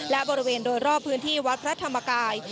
และบริเวณโดยรอบพื้นที่วัดพระธรรมกาย